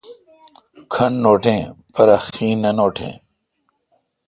کھن نوٹیں پرہ خیں نہ نوٹیں۔